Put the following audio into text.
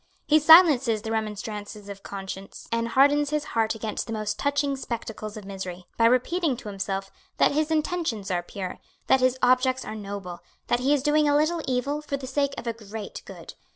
He silences the remonstrances of conscience, and hardens his heart against the most touching spectacles of misery, by repeating to himself that his intentions are pure, that his objects are noble, that he is doing a little evil for the sake of a great good.